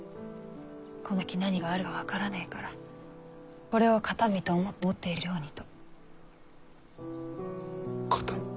この先何があるか分からねぇからこれを形見と思って持っているようにと。